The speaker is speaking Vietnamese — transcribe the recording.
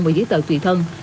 và giấy tờ tùy thân